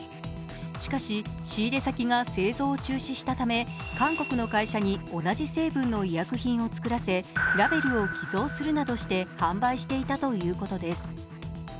しかし、仕入れ先が製造を中止したため韓国の会社に同じ成分の医薬品を作らせ、ラベルを偽造するなどして販売していたということです。